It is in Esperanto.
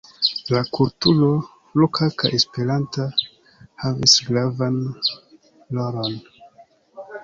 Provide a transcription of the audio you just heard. La kulturo, loka kaj esperanta, havis gravan rolon.